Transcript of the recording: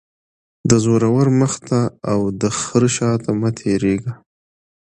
- د زورور مخ ته او دخره شاته مه تیریږه.